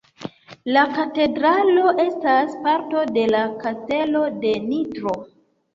La katedralo estas parto de Kastelo de Nitro.